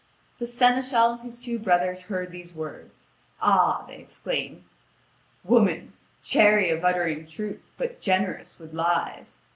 The seneschal and his two brothers heard these words. "Ah!" they exclaim, "woman, chary of uttering truth but generous with lies!